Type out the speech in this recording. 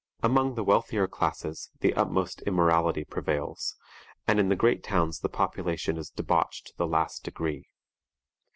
Among the wealthier classes the utmost immorality prevails, and in the great towns the population is debauched to the last degree.